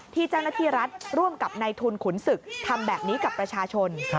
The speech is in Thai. ที่เจ้าหน้าที่รัฐร่วมกับในทุนขุนศึกทำแบบนี้กับประชาชน